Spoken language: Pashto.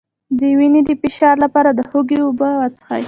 د وینې د فشار لپاره د هوږې اوبه وڅښئ